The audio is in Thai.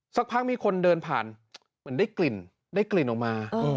สักพักมีคนเดินผ่านเหมือนได้กลิ่นได้กลิ่นออกมา